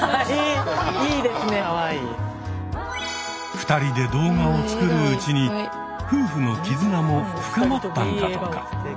２人で動画を作るうちに夫婦の絆も深まったんだとか。